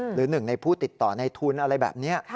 หรือหนึ่งในผู้ติดต่อในทุนอะไรแบบนี้